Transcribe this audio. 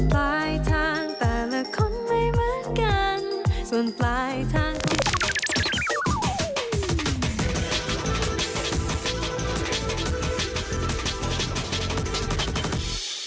โปรดติดตามตอนต่อไป